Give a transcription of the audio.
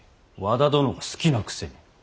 和田殿が好きなくせに。